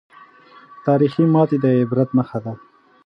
تاریخي ماتې د عبرت نښه ده.